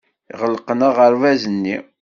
Ɣelqen aɣerbaz-nni.